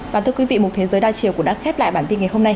và thưa quý vị một thế giới đa chiều cũng đã khép lại bản tin ngày hôm nay